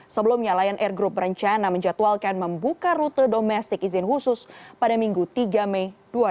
sebelumnya lion air group berencana menjadwalkan membuka rute domestik izin khusus pada minggu tiga mei dua ribu dua puluh